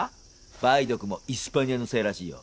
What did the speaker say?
梅毒もイスパニアのせいらしいよ。